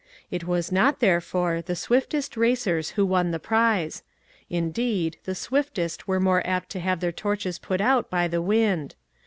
It was not, therefore, the swiftest racers who won the prize. Indeed the swiftest were more apt to have their torches put out by the wind.